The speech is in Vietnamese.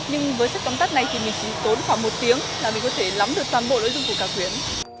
nhưng với sách tóm tắt này thì mình chỉ tốn khoảng một tiếng là mình có thể lắm được toàn bộ nội dung của cả quyển